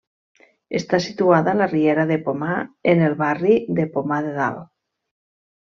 Està situada a la riera de Pomar, en el barri de Pomar de Dalt.